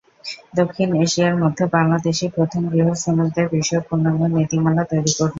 দক্ষিণ এশিয়ার মধ্যে বাংলাদেশই প্রথম গৃহশ্রমিকদের বিষয়ে পূর্ণাঙ্গ নীতিমালা তৈরি করল।